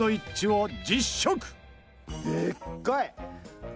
でっかい！